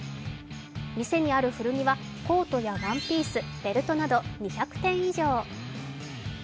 店にある古着は、コートやワンピース、ベルトなど２００点以上。